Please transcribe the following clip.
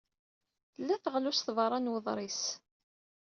Tella talɣut beṛṛa n wuḍris.